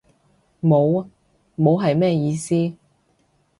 冇？冇係咩意思？